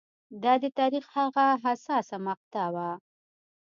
دا د تاریخ هغه حساسه مقطعه وه